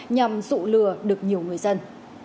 nhằm dụ lừa được nhiều người dân